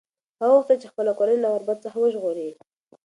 هغه غوښتل چې خپله کورنۍ له غربت څخه وژغوري.